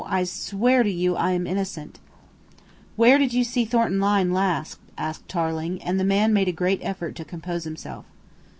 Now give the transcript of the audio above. I swear to you I am innocent!" "Where did you see Thornton Lyne last?" asked Tarling, and the man made a great effort to compose himself.